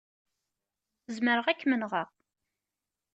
Zemreɣ ad kem-nɣeɣ.